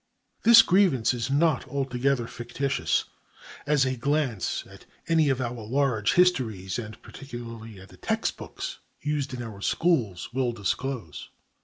This grievance is not altogether fictitious, as a glance at any of our large histories and particularly at the text books used in our schools will disclose.